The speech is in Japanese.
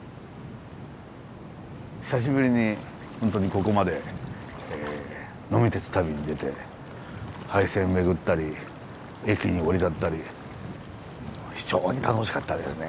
久しぶりにホントにここまで呑み鉄旅に出て廃線巡ったり駅に降り立ったり非常に楽しかったですね